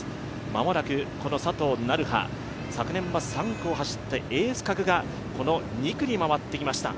間もなく佐藤成葉、昨年は３区を走って、エース格がこの２区に回ってきました。